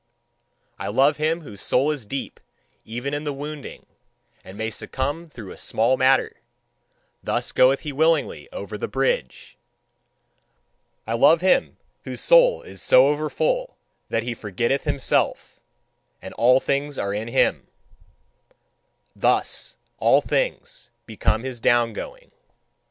I love him whose soul is deep even in the wounding, and may succumb through a small matter: thus goeth he willingly over the bridge. I love him whose soul is so overfull that he forgetteth himself, and all things are in him: thus all things become his down going.